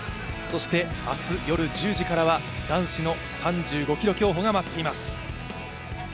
そして明日夜１０時からは男子の３５ｋｍ競歩が待っています。